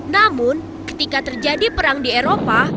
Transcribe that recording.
namun ketika terjadi perang di eropa